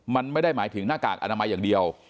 มันไม่ได้หมายถึงหน้ากากอนามัยอย่างเดียว